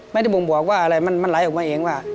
ไม่ได้บ่งบอกว่าอะไรมันไหลออกมาเองว่า